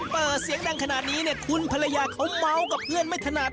เปิดเสียงดังขนาดนี้เนี่ยคุณภรรยาเขาเมาส์กับเพื่อนไม่ถนัด